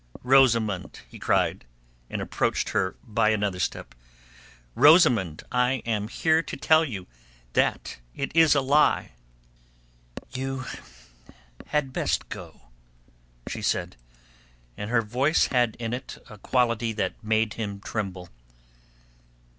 "Rosamund!" he cried, and approached her by another step. "Rosamund! I am here to tell you that it is a lie." "You had best go," she said, and her voice had in it a quality that made him tremble.